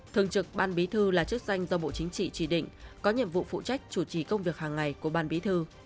thường trực ban bí thư là chức danh do bộ chính trị chỉ định có nhiệm vụ phụ trách chủ trì công việc hàng ngày của ban bí thư